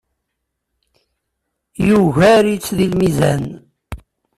Yugar-itt deg lmizan.